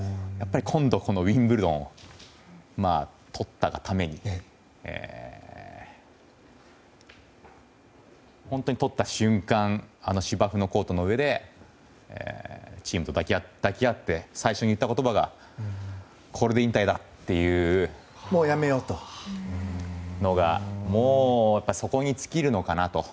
今度、ウィンブルドンとったがために本当にとった瞬間芝生のコートの上でチームと抱き合って最初に言った言葉がこれで引退だっていうのがそこに尽きるのかなと。